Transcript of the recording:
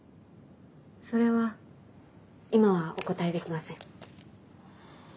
それは今はお答えできません。